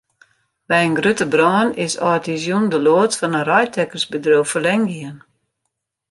By in grutte brân is âldjiersjûn de loads fan in reidtekkersbedriuw ferlern gien.